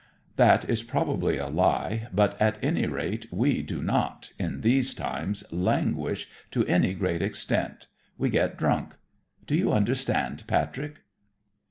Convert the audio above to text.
That is probably a lie, but at any rate we do not, in these times, languish to any great extent. We get drunk. Do you understand Patrick?"